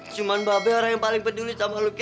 cuma bapak orang yang paling peduli sama lu ki